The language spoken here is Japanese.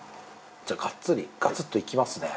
じゃあガッツリガツっといきますね